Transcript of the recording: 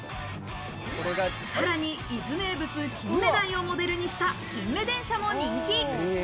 さらに伊豆名物、金目鯛をモデルにしたキンメ電車も人気。